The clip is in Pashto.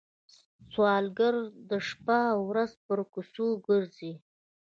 سوالګر د شپه ورځ پر کوڅو ګرځي